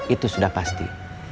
itu sudah pasti